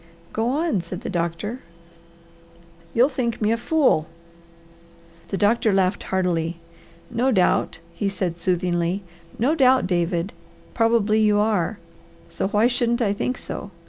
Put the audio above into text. "Go on!" said the doctor. "You'll think me a fool." The doctor laughed heartily. "No doubt!" he said soothingly. "No doubt, David! Probably you are; so why shouldn't I think so.